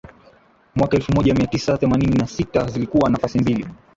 mwaka elfu moja mia tisa themanini na sita zilikuwa nafasi mbili